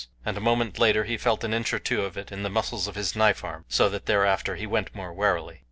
And a moment later he felt an inch or two of it in the muscles of his knife arm, so that thereafter he went more warily.